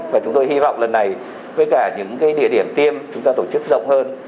và chúng tôi hy vọng lần này với cả những địa điểm tiêm chúng ta tổ chức rộng hơn